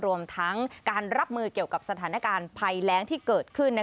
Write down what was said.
รวมทั้งการรับมือเกี่ยวกับสถานการณ์ภัยแรงที่เกิดขึ้น